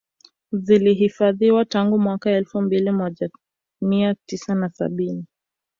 Zilihifadhiwa tangu mwaka wa elfu mojamia tisa na sabini